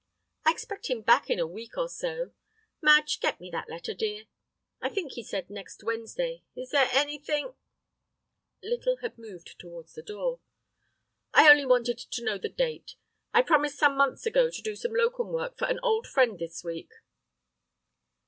"I expect him back in a week or so. Madge, get me that letter, dear. I think he said next Wednesday. Is there anything—?" Little had moved towards the door. "I only wanted to know the date. I promised some months ago to do locum work for an old friend next week."